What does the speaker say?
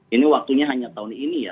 ini waktunya hanya tahun ini ya